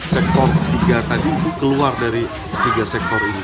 sektor tiga tadi keluar dari tiga sektor ini